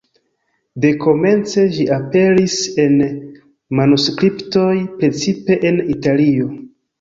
Dekomence ĝi aperis en manuskriptoj, precipe en Italio.